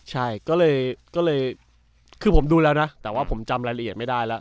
ใช่ก็เลยคือผมดูแล้วนะแต่ว่าผมจำรายละเอียดไม่ได้แล้ว